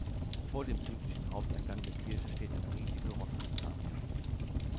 Vor dem südlichen Haupteingang der Kirche steht eine riesige Rosskastanie.